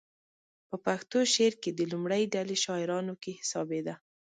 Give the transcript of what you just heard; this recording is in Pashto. په پښتو شعر کې د لومړۍ ډلې شاعرانو کې حسابېده.